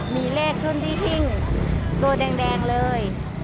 มีเลขขึ้นที่หิ้งตัวแดงเลย